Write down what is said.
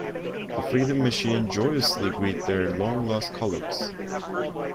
The Freedom Machine joyously greet their long lost colleagues.